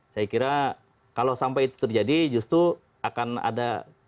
saya kira kalau sampai itu terjadi justru akan ada